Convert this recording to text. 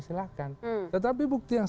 silahkan tetapi bukti yang